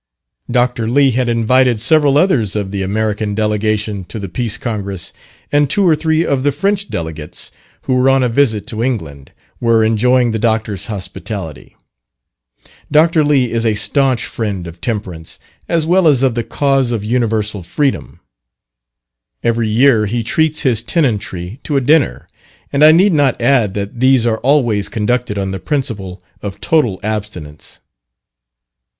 Dr. Lee had invited several others of the American delegation to the Peace Congress, and two or three of the French delegates who were on a visit to England, were enjoying the Doctor's hospitality. Dr. Lee is a staunch friend of Temperance, as well as of the cause of universal freedom. Every year he treats his tenantry to a dinner, and I need not add that these are always conducted on the principle of total abstinence.